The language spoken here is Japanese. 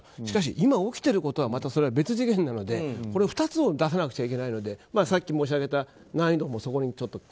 しかし今起きていることはまた別次元なので２つを出さなきゃいけないのでさっき申し上げた難易度もそこに。